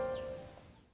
ya sudah ya sudah